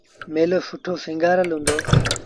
ميلو سُٺو سيٚݩگآرل هُݩدو۔